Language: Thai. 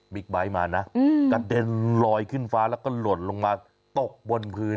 ไบท์มานะกระเด็นลอยขึ้นฟ้าแล้วก็หล่นลงมาตกบนพื้น